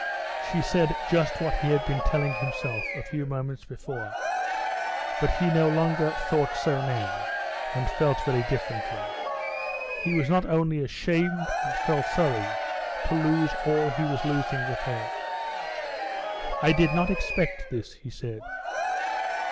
She said just what he had been telling himself a few moments before, but he no longer thought so now and felt very differently. He was not only ashamed, but felt sorry to lose all he was losing with her. "I did not expect this," he said.